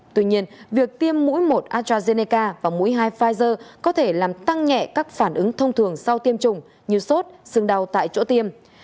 tuy nhiên việc tiêm mũi một arageneca và mũi hai pfizer có thể làm tăng nhẹ các phản ứng thông thường sau tiêm chủng như sốt sưng đau tại chỗ tiêm